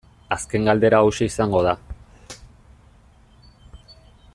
Azken galdera hauxe izango da.